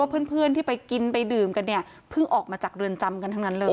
เพื่อนที่ไปกินไปดื่มกันเนี่ยเพิ่งออกมาจากเรือนจำกันทั้งนั้นเลย